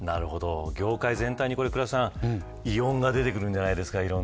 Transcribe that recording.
業界全体にイロンが出てくるんじゃないですか。